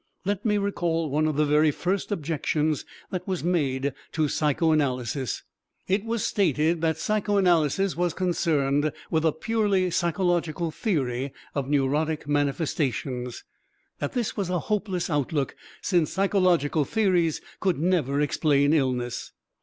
Let me recall one of the very first objections that was made to psychoanalysis. It was stated that psychoanalysis was concerned with a purely psychological theory of neurotic manifestations; that this was a hopeless outlook since psychological theories could never explain illness.